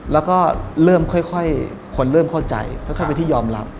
แล้วก็เริ่มค่อยคนเริ่มเข้าใจค่อยเป็นที่ยอมรับ